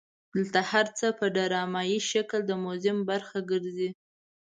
دلته هر څه په ډرامایي شکل د موزیم برخه ګرځي.